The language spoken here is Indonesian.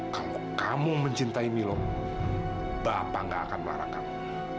kalau kamu mencintai milo bapak gak akan melarang kamu